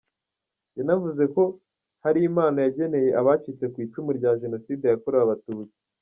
Yanavuze ko hari impano bageneye abacitse ku icumu rya Jenoside yakorewe abatutsi.